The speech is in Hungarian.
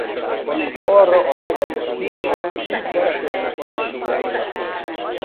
Amint arra a neve is utal új telepesek alapították.